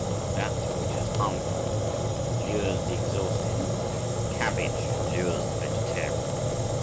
That which is harmful lures the exhausted: cabbage lures the vegetarian.